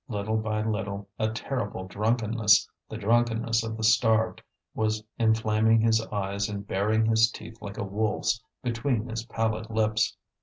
Little by little a terrible drunkenness, the drunkenness of the starved, was inflaming his eyes and baring his teeth like a wolf's between his pallid lips.